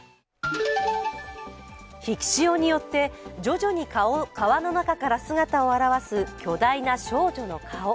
引き潮によって徐々に川の中から姿を現す巨大な少女の顔。